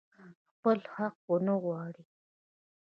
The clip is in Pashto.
خپل حق ونه غواړي.